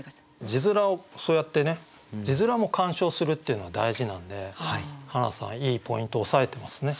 字面をそうやってね字面も鑑賞するっていうのは大事なんではなさんいいポイント押さえてますね。